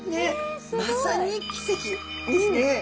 まさに奇跡ですね。